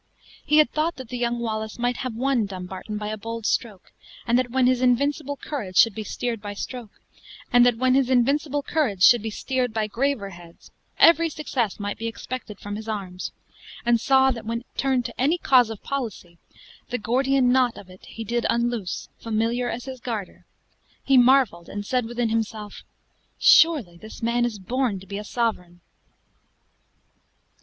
He had thought that the young Wallace might have won Dumbarton by a bold stroke, and that when his invincible courage should be steered by stroke, and that when his invincible courage should be steered by graver heads, every success might be expected from his arms; and saw that when turned to any cause of policy, "the Gordian knot of it he did unloose, familiar as his garter," he marveled, and said within himself, "Surely this man is born to be a sovereign!"